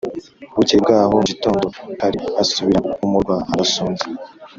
Bukeye bwaho mu gitondo kare asubira mu murwa arasonza